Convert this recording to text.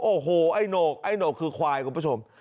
โอ้โหไอ้โหนกไอ้โหนกคือควายคุณผู้ชม